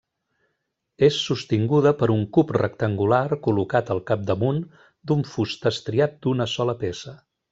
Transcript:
És sostinguda per un cub rectangular col·locat al capdamunt d'un fust estriat d'una sola peça.